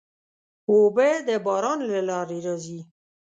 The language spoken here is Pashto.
اوبه د باران له لارې راځي.